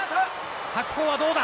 白鵬はどうだ。